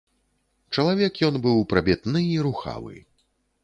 Чалавек ён быў прабітны і рухавы.